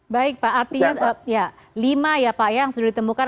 baik pak artinya lima ya pak yang sudah ditemukan